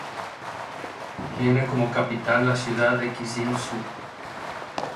Tiene como capital la ciudad de Kyzyl-Suu.